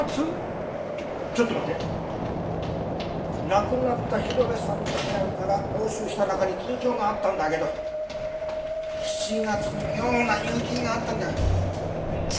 亡くなった広辺さんの部屋から押収した中に通帳があったんだけど７月に妙な入金があったんだよ。